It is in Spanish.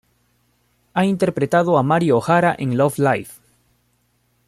Ha interpretado a Mari Ohara en Love Live!